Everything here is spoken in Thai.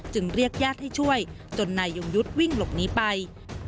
เรียกญาติให้ช่วยจนนายยงยุทธ์วิ่งหลบหนีไป